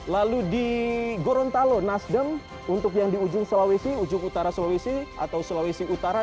lalu di gorontalo nasdem untuk yang di ujung sulawesi ujung utara sulawesi atau sulawesi utara